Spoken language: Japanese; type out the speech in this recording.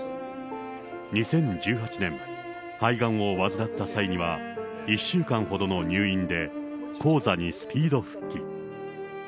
２０１８年、肺がんを患った際には、１週間ほどの入院で、高座にスピード復帰。